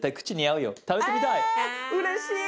うれしい。